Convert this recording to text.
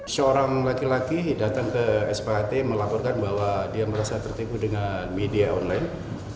seorang laki laki datang ke spht melaporkan bahwa dia merasa tertipu dengan media online